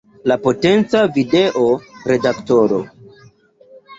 La potenca video redaktoro.